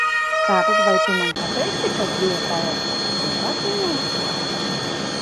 Tātad, vai tu man pateiksi, kas bija tajā zibatmiņā?